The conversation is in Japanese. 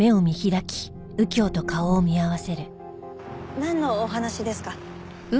なんのお話ですか？